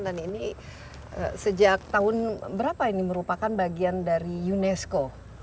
dan ini sejak tahun berapa ini merupakan bagian dari unesco